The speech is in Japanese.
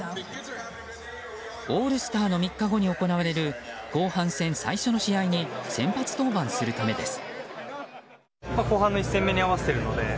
オールスターの３日後に行われる後半戦最初の試合に先発登板するためです。